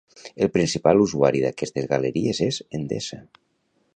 El principal usuari d'aquestes galeries és Endesa.